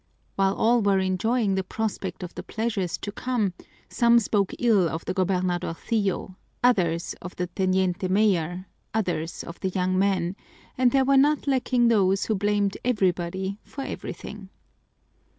While all were enjoying the prospect of the pleasures to come, some spoke ill of the gobernadorcillo, others of the teniente mayor, others of the young men, and there were not lacking those who blamed everybody for everything.